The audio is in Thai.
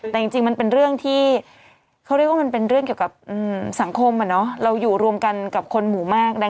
แต่จริงมันเป็นเรื่องที่เขาเรียกว่ามันเป็นเรื่องเกี่ยวกับสังคมเราอยู่รวมกันกับคนหมู่มาก